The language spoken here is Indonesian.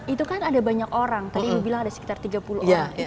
itu kan ada banyak orang tadi ibu bilang ada sekitar tiga puluh orang